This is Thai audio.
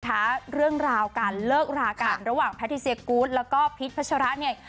เรื่องราวการเลิกรากันระหว่างแพทิเซียกูธแล้วก็พีชพัชระเนี่ย